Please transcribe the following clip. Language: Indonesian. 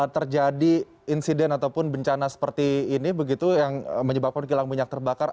terjadi insiden ataupun bencana seperti ini begitu yang menyebabkan kilang minyak terbakar